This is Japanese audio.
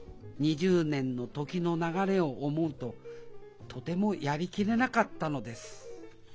２０年の時の流れを思うととてもやりきれなかったのです・